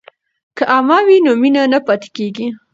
که عمه وي نو مینه نه پاتیږي.